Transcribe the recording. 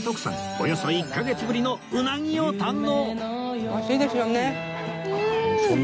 およそ１カ月ぶりのうなぎを堪能！